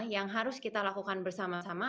yang harus kita lakukan bersama sama